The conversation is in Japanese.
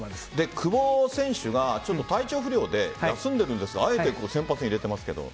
久保選手が体調不良で休んでいるんですがあえて先発に入れていますけど。